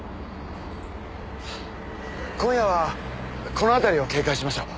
今夜はこの辺りを警戒しましょう。